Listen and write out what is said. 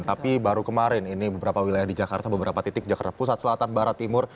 tapi baru kemarin ini beberapa wilayah di jakarta beberapa titik jakarta pusat selatan barat timur